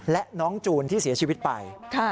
และน้องจูนที่เสียชีวิตไป